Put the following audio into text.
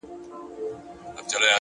پریزاده! له ځنګلو تېرېدل دي